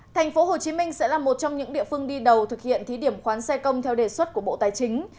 thành phố hồ chí minh sẽ là một trong những địa phương đi đầu thực hiện thí điểm khoán xe công theo đề xuất của bộ tài chính